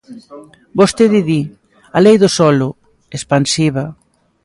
Vostede di: a Lei do solo, expansiva.